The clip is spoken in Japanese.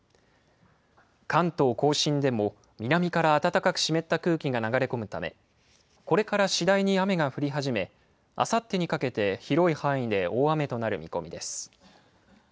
関東甲信でも南から暖かく湿った空気が流れ込むため、これから次第に雨が降り始め、あさってにかけて広い範囲で大雨となる見込みです。